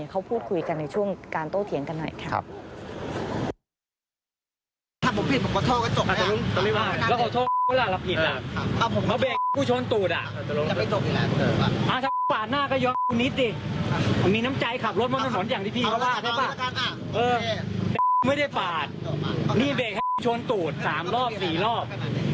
เขาพูดคุยกันในช่วงการโต้เถียงกันหน่อยค่ะ